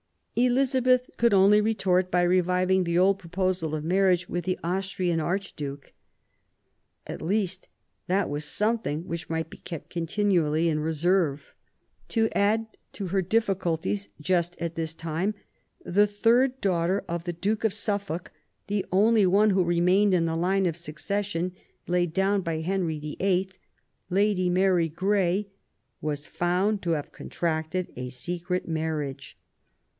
Elizabeth could only retort by reviving the old proposal of marriage with the Austrian Archduke. At least that was something • which might be kept continually in reserve. To add to her difficulties, just at this time, the third daughter of the Duke of Suffolk, the only one who remained in the line of succession laid down by Henry VHI., Lady Mary Grey, was found to have contracted a secret marriage.